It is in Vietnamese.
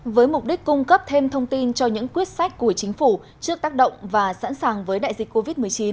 với mục đích cung cấp thêm thông tin cho những quyết sách của chính phủ trước tác động và sẵn sàng với đại dịch covid một mươi chín